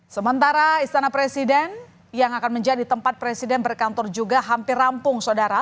sementara istana presiden yang akan menjadi tempat presiden berkantor juga hampir rampung saudara